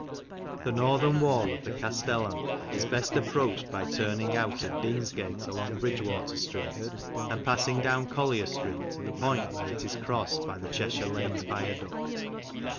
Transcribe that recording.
The northern wall of the castellum is best approached by turning out of Deansgate along Bridgewater Street, and passing down Collier Street to the point where it is crossed by the Cheshire Lines Viaduct.